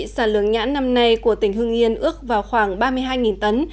vấn đề của tỉnh hương yên ước vào khoảng ba mươi hai tấn